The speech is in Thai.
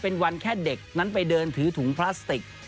เป็นวันแค่เด็กนั้นไปเดินถือถุงพลาสติก